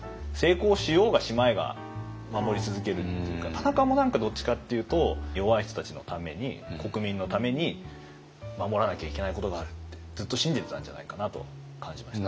田中も何かどっちかっていうと弱い人たちのために国民のために守らなきゃいけないことがあるってずっと信じてたんじゃないかなと感じました。